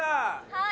はい。